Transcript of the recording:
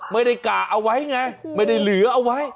ไม่ได้กะเอาไว้ไงไม่ได้เหลือเอาไว้